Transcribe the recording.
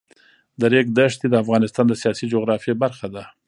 د ریګ دښتې د افغانستان د سیاسي جغرافیه برخه ده.